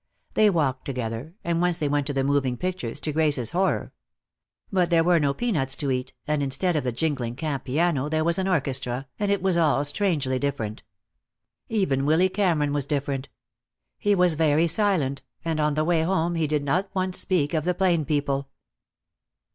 They walked together, and once they went to the moving pictures, to Grace's horror. But there were no peanuts to eat, and instead of the jingling camp piano there was an orchestra, and it was all strangely different. Even Willy Cameron was different. He was very silent, and on the way home he did not once speak of the plain people.